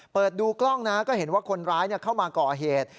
เปิดดูกล้องนะก็เห็นว่าคนร้ายเข้ามาก่อเหตุ